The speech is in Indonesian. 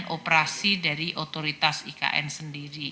operasi dari otoritas ikn sendiri